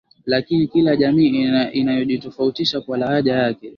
lakini kila jamii inajitofautisha kwa lahaja yake